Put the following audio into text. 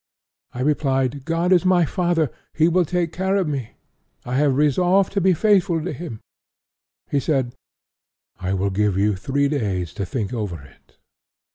I replied: 'God is my father; He will take care of me; I have resolved to be faithful to Him.' He said: 'I will give you three days to think over it.'